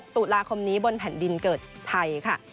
ตุลาคมนี้บนแผ่นดินเกิดไทยค่ะ